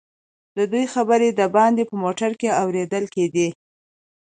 ددوئ خبرې دباندې په موټر کې اورېدل کېدې.